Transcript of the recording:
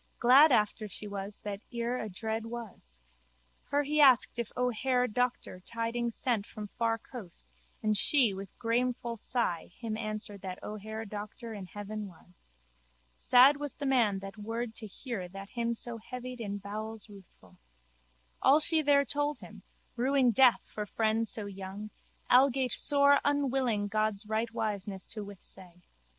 Glad after she was that ere adread was. Her he asked if O'Hare Doctor tidings sent from far coast and she with grameful sigh him answered that O'Hare Doctor in heaven was. Sad was the man that word to hear that him so heavied in bowels ruthful. All she there told him, ruing death for friend so young, algate sore unwilling God's rightwiseness to withsay.